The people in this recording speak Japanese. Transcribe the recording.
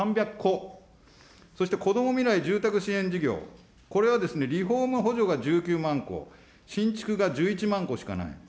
そしてこどもみらい住宅支援事業、これはですね、リフォーム補助が１９万戸、新築が１１万戸しかない。